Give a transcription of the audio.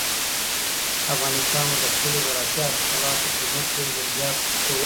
افغانستان به د خپلو زارعتي حاصلاتو په مټ یو ځل بیا په پښو ودرېږي.